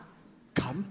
乾杯